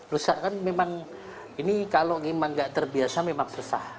rusak kan memang ini kalau gimana tidak terbiasa memang susah